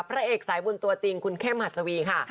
พระเอกสายบุญตัวจริงคุณเข้มหัสวีค่ะ